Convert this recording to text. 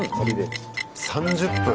３０分。